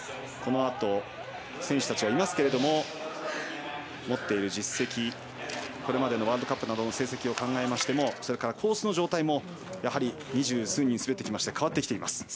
このあと選手たちがいますが持っている実績、これまでのワールドカップの成績などを考えましてもそれからコースの状態もやはり二十数人滑って変わってきています。